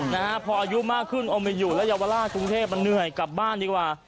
นะฮะพออายุมากขึ้นเอาไปอยู่แล้วเยาวราชกรุงเทพมันเหนื่อยกลับบ้านดีกว่า